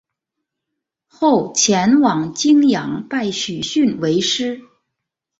后前往旌阳拜许逊为师。